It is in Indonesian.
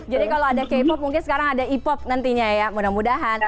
jadi kalau ada k pop mungkin sekarang ada e pop nantinya ya mudah mudahan